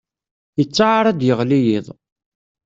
Yettaɛar ad d-yeɣli yiḍ.